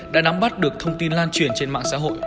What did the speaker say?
đã nắm bắt được thông tin lan truyền trên mạng xã hội